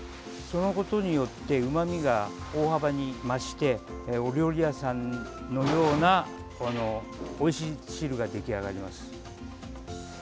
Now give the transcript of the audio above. そのことによってうまみが大幅に増してお料理屋さんのようなこのおいしい汁が出来上がります。